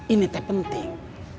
ini teh penting